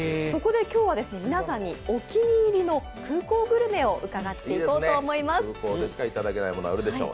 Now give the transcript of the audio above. そこで今日は皆さんにお気に入りの空港グルメを伺っていきます。